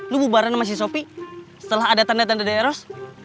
lu barang sama si sopi setelah ada tanda tanda dari eros